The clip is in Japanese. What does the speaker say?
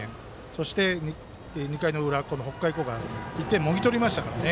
そして２回の裏この北海高校は１点をもぎ取りましたからね。